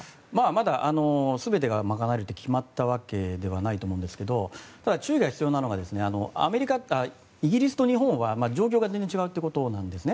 まだ全て賄えるって決まったわけではないと思うんですがただ注意が必要なのはイギリスと日本は状況が全然違うということなんです。